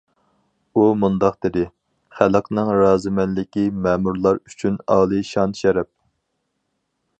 ئۇ مۇنداق دېدى: خەلقنىڭ رازىمەنلىكى مەمۇرلار ئۈچۈن ئالىي شان- شەرەپ.